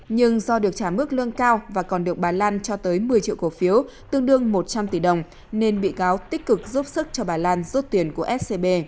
nhưng do được trả mức lương cao và còn được bà lan cho tới một mươi triệu cổ phiếu tương đương một trăm linh tỷ đồng nên bị cáo tích cực giúp sức cho bà lan rút tiền của scb